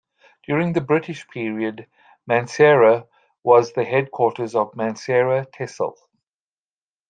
During the British period, Mansehra was the headquarters of Mansehra "Tehsil".